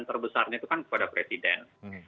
terbesarnya itu kan kepada presiden